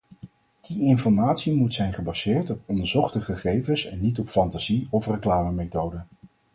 Die informatie moet zijn gebaseerd op onderzochte gegevens en niet op fantasie of reclamemethoden.